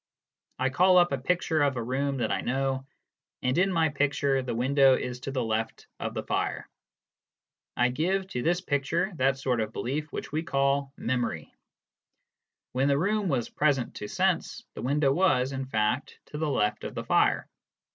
I call up a picture of a room that I know,, and in my picture the window is to the left of the fire. I give to this picture that sort of belief which we call "memory." When the room was present to sense, the window was, in fact,, to the left of the fire.